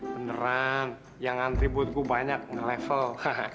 beneran yang ngantri buat gua banyak ngelevel